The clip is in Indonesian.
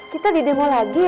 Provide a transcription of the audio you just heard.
kita di demo lagi